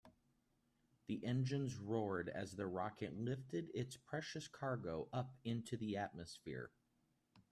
The engines roared as the rocket lifted its precious cargo up into the atmosphere.